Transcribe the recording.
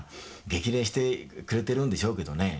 激励してくれてるんでしょうけどね